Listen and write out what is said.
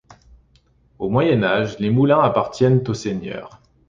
Au Moyen Âge, les moulins appartiennent au seigneur.